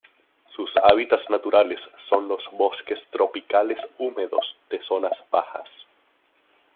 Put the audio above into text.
Sus hábitats naturales son los bosques tropicales húmedos de zonas bajas.